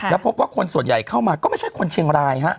แล้วพบว่าคนส่วนใหญ่เข้ามาก็ไม่ใช่คนเชียงรายฮะ